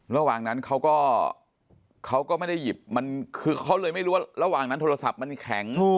ระหว่างนั้นเขาก็เขาก็ไม่ได้หยิบมันคือเขาเลยไม่รู้ว่าระหว่างนั้นโทรศัพท์มันแข็ง